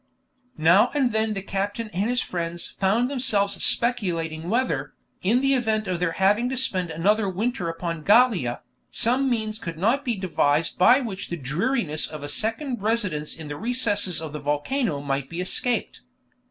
Now and then the captain and his friends found themselves speculating whether, in the event of their having to spend another winter upon Gallia, some means could not be devised by which the dreariness of a second residence in the recesses of the volcano might be escaped.